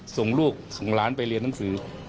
ส่งลูกส่งหลานไปเรียนหนังสือ